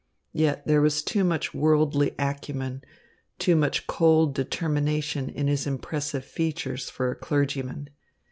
Yet there was too much worldly acumen, too much cold determination in his impressive features for a clergyman.